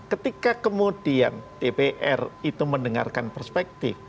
ketika kemudian dpr itu mendengarkan perspektif